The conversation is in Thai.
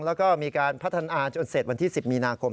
แล้วก็มีการพัฒนาจนเสร็จวันที่๑๐มีนาคม